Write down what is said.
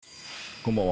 こんばんは。